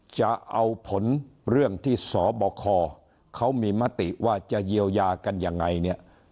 จะเอาผลเรื่องที่สบคเขามีมติว่าจะเยียวยากันยังไงเนี่ย